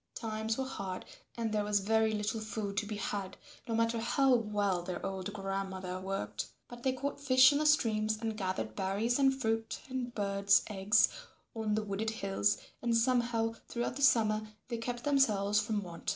Times were hard, and there was very little food to be had no matter how well their old grandmother worked; but they caught fish in the streams and gathered berries and fruit and birds' eggs on the wooded hills, and somehow throughout the summer they kept themselves from want.